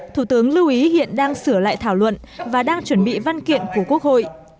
thủ tướng lưu ý hiện đang sửa lại thảo luận và đang chuẩn bị văn kiện của quốc hội